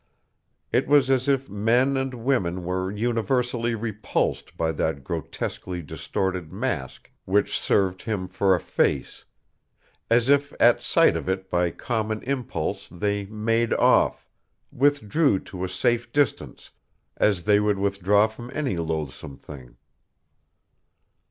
It was as if men and women were universally repulsed by that grotesquely distorted mask which served him for a face, as if at sight of it by common impulse they made off, withdrew to a safe distance, as they would withdraw from any loathsome thing.